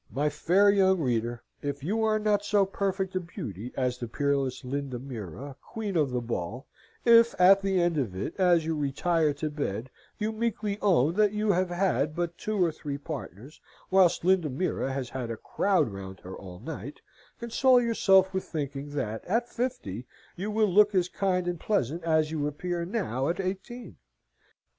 My fair young reader, if you are not so perfect a beauty as the peerless Lindamira, Queen of the Ball; if, at the end of it, as you retire to bed, you meekly own that you have had but two or three partners, whilst Lindamira has had a crowd round her all night console yourself with thinking that, at fifty, you will look as kind and pleasant as you appear now at eighteen.